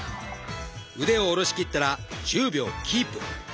腕を下ろしきったら１０秒キープ。